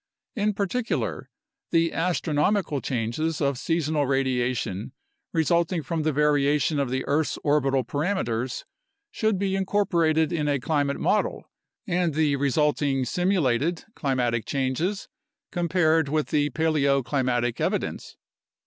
In particular, the astronomical changes of seasonal radiation resulting from the variation of the earth's orbital parameters should be incorporated in a climate model, and the resulting simulated climatic changes compared with the paleoclimatic evidence.